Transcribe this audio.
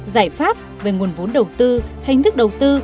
giải pháp về nguồn vốn đầu tư hình thức đầu tư